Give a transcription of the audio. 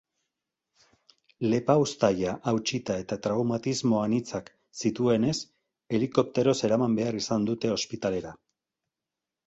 Lepauztaia hautsita eta traumatismo anitzak zituenez, helikopteroz eraman behar izan dute ospitalera.